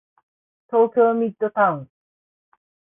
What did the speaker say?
東京ミッドタウン